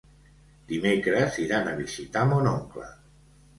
Dimecres iran a visitar mon oncle.